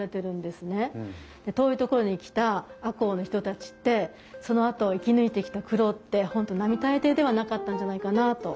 遠い所に来た赤穂の人たちってそのあと生き抜いてきた苦労って本当並大抵ではなかったんじゃないかなあと。